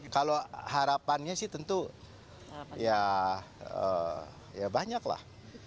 kalau harapannya sih tentu ya banyak lah